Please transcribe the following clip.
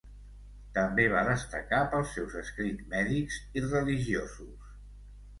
També va destacar pels seus escrits mèdics i religiosos.